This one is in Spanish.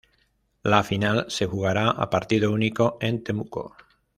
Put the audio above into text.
La final se jugará a partido único en Temuco.